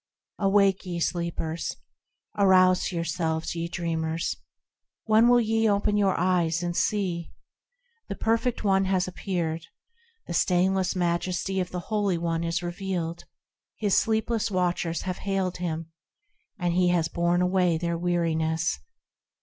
Awake, ye sleepers! Arouse yourselves, ye dreamers ! When will ye open your eyes, and see ? The Perfect One has appeared! The stainless majesty of the Holy One is revealed ; His sleepless watchers have hailed Him, And He has borne away their weariness.